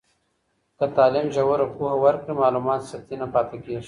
که تعلیم ژوره پوهه ورکړي، معلومات سطحي نه پاته کېږي.